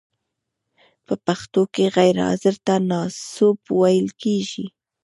په پښتو کې غیر حاضر ته ناسوب ویل کیږی.